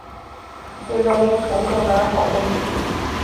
最终因董桂森提前收到消息而逃过一劫。